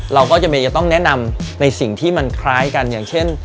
เราก็จะต้องแนะนำในสิ่งที่มันคล้ายกัน